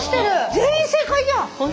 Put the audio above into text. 全員正解じゃん！